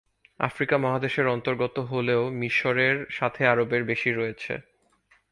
Africa মহাদেশের অন্তর্গত হলেও মিশরের সাথে আরবের বেশি রয়েছে।